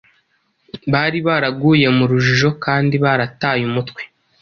Bari baraguye mu rujijo kandi barataye umutwe.